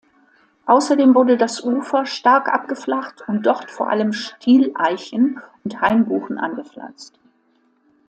Außerdem wurde das Ufer stark abgeflacht und dort vor allem Stieleichen und Hainbuchen angepflanzt.